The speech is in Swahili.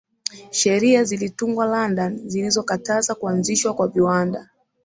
Sheria zilitungwa London zilizokataza kuanzishwa kwa viwanda